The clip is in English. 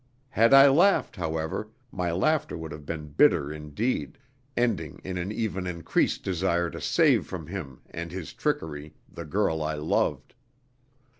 Had I laughed, however, my laughter would have been bitter indeed, ending in an even increased desire to save from him and his trickery the girl I loved.